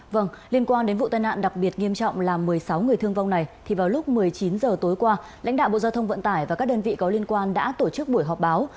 vâng liên quan đến vụ tai nạn đặc biệt nghiêm trọng làm một mươi sáu người thương vong này thì vào lúc một mươi chín h tối qua lãnh đạo bộ giao thông vận tải và các đơn vị có liên quan đã tổ chức buổi họp báo